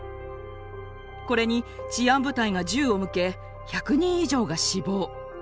これに治安部隊が銃を向け１００人以上が死亡。